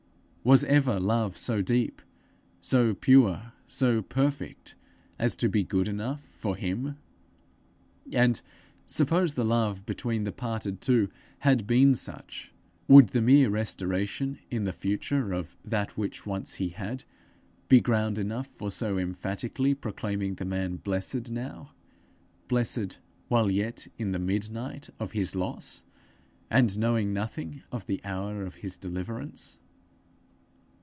Was ever love so deep, so pure, so perfect, as to be good enough for him? And suppose the love between the parted two had been such, would the mere restoration in the future of that which once he had, be ground enough for so emphatically proclaiming the man blessed now, blessed while yet in the midnight of his loss, and knowing nothing of the hour of his deliverance?